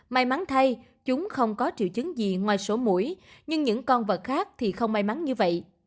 may mắn thay chúng không có triệu chứng gì ngoài sổ mũi nhưng những con vật khác thì không may mắn như vậy